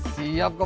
gua buat senyum